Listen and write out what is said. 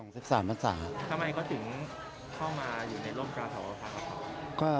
ทำไมเขาถึงเข้ามาอยู่ในโลกการภาวะพระครอบครัว